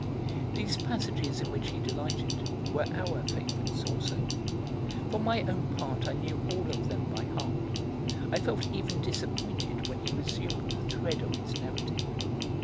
These passages in which he delighted were our favourites also. For my own part I knew all of them by heart. I felt even disappointed when he resumed the thread of his narrative.